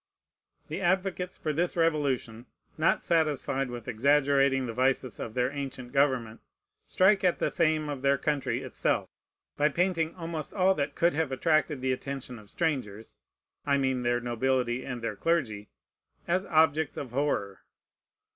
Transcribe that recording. The advocates for this Revolution, not satisfied with exaggerating the vices of their ancient government, strike at the fame of their country itself, by painting almost all that could have attracted the attention of strangers, I mean their nobility and their clergy, as objects of horror.